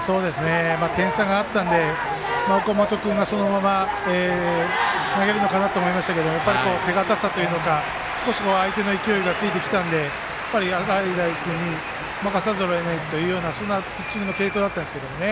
点差があったので岡本君がそのまま投げるのかなと思いましたけども手堅さというのか少し相手の勢いがついてきたんで洗平君に任さざるをえないというそんなピッチングの継投だったんですけどね。